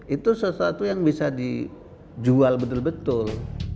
itu sesuatu yang bisa dijual betul betul